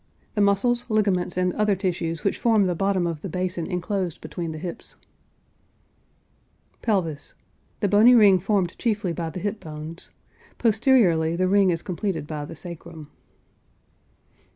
The muscles, ligaments, and other tissues which form the bottom of the basin inclosed between the hips. PELVIS. The bony ring formed chiefly by the hip bones. Posteriorly the ring is completed by the sacrum.